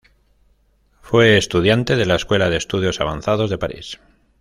Fue estudiante de la Escuela de Estudios Avanzados de París.